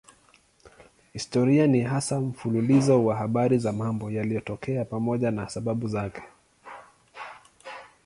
Historia ni hasa mfululizo wa habari za mambo yaliyotokea pamoja na sababu zake.